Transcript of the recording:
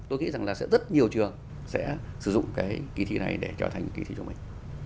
tôi nghĩ rằng là sẽ rất nhiều trường sẽ sử dụng cái kỳ thi này để trở thành kỳ thi cho mình